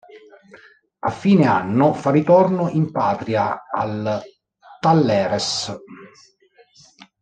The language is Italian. A fine anno fa ritorno in patria, al Talleres.